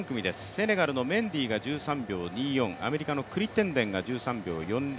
セネガルのメンディーが１３秒２４、アメリカのクリッテンデンが１３秒４０。